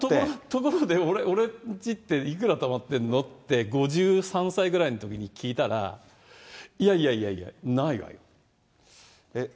ところで俺んちっていくらたまってるの？って５３歳ぐらいのときに聞いたら、いやいやいや、ないよって。